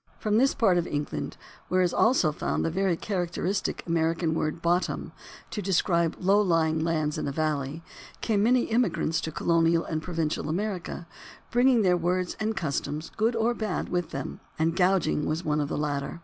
From this part of England — where is also found the very characteristic American word "bottom" {ibid., p. 3) to describe low lying lands in a valley — came many immigrants to colonial and provincial America, bringing their words and customs, good or bad, with them, and "gouging" was one of the latter.